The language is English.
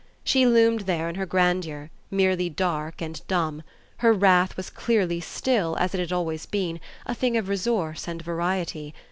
She loomed there in her grandeur, merely dark and dumb; her wrath was clearly still, as it had always been, a thing of resource and variety.